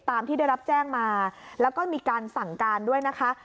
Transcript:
ที่ได้รับแจ้งมาแล้วก็มีการสั่งการด้วยนะคะ